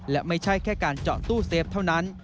และไม่ใช่แค่การเจาะตู้เซฟเท่านั้น